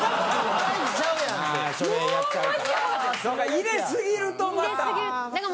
入れすぎるとまた。